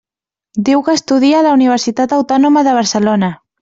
Diu que estudia a la Universitat Autònoma de Barcelona.